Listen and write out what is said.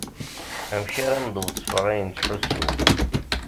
Amek ara am-d-wesfeɣ ayen ttḥussuɣ.